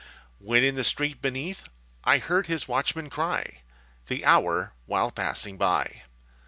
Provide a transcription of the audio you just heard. When in the street beneath I heard his watchman cry The hour, while passing by.